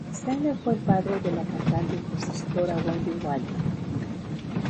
Steiner fue el padre de la cantante y compositora Wendy Waldman.